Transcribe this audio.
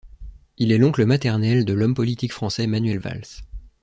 Il est l'oncle maternel de l'homme politique français Manuel Valls.